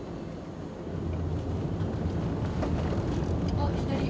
あっ左。